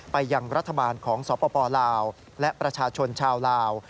ไปยังรัฐบาลของสปลาวและประชาชนชาวลาว